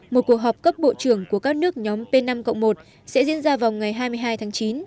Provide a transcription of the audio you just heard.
một cuộc họp cấp bộ trưởng của các nước nhóm p năm một sẽ diễn ra vào ngày hai mươi hai tháng chín